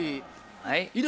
はい？